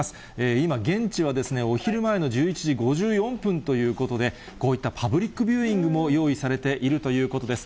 今、現地はお昼前の１１時５４分ということで、こういったパブリックビューイングも用意されているということです。